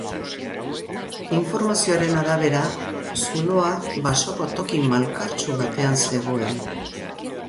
Informazioaren arabera, zuloa basoko toki malkartsu batean zegoen.